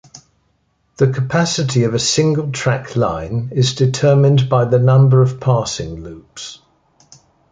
The capacity of a single-track line is determined by the number of passing loops.